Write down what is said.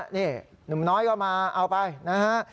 นี่หนุ่มน้อยก็มาเอาไปนะฮะ